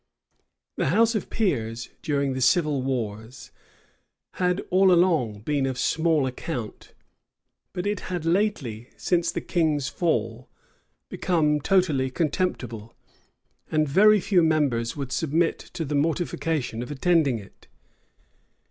The house of peers, during the civil wars, had all along been of small account; but it had lately, since the king's fall, become totally contemptible; and very few members would submit to the mortification of attending it.